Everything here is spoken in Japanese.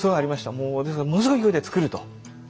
もうですからものすごい勢いで造ると。